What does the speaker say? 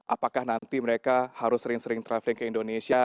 apakah nanti mereka harus sering sering traveling ke indonesia